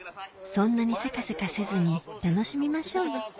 そんなにせかせかせずに楽しみましょうよ